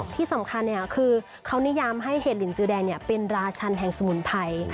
ที่สำคัญคือเขานิยามให้เห็ดลินจือแดงเป็นราชันแห่งสมุนไพร